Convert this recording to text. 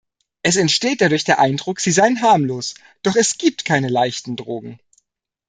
Es entsteht dadurch der Eindruck, sie seien harmlos, doch es gibt keine leichten Drogen.